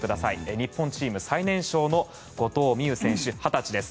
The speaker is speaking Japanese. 日本チーム最年少の後藤希友選手、２０歳です。